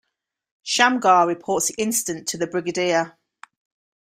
Shamgar reports the incident to the brigadier.